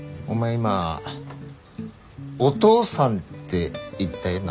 今お父さんって言ったよな？